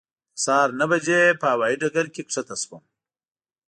د سهار نهه بجې په هوایي ډګر کې کښته شوم.